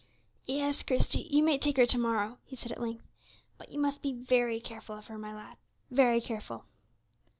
"Yes, Christie, you may take her to morrow," he said at length; "but you must be very careful of her, my lad, very careful."